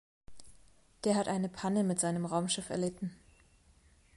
Der hat eine Panne mit seinem Raumschiff erlitten.